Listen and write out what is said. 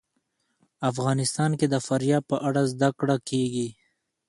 افغانستان کې د فاریاب په اړه زده کړه کېږي.